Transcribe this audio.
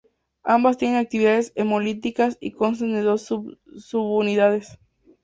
Ambas tienen actividad hemolítica y constan de dos subunidades.